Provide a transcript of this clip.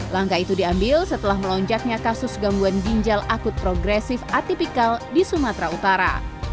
langkah itu diambil setelah melonjaknya kasus gangguan ginjal akut progresif atipikal di sumatera utara